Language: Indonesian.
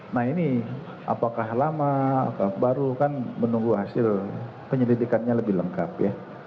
nah ini apakah lama atau baru kan menunggu hasil penyelidikannya lebih lengkap ya